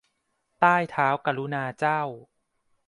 ใต้เท้ากรุณาเจ้า